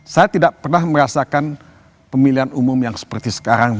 saya tidak pernah merasakan pemilihan umum yang seperti sekarang